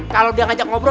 kalau dia ngajak ngobrol